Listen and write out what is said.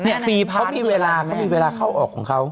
เนี่ยฟรีเพราะเขามีเวลาเขามีเวลาเข้าออกของเขา